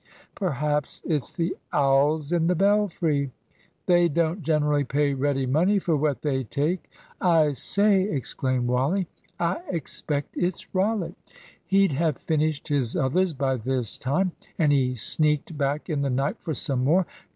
"Perhaps it's the owls in the belfry?" "They don't generally pay ready money for what they take." "I say!" exclaimed Wally; "I expect it's Rollitt. He'd have finished his others by this time, and he sneaked back in the night for some more.